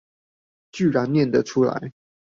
居然唸的出來